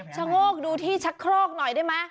โงกดูที่ชักโครกหน่อยได้ไหม